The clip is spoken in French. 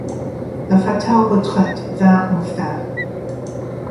La fatale retraite vint enfin.